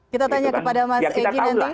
kita tanya kepada mas egy nanti